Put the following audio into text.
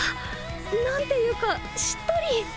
何ていうかしっとり！